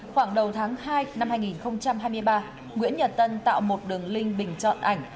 khoảng đầu tháng hai năm hai nghìn hai mươi ba nguyễn nhật tân tạo một đường link bình chọn ảnh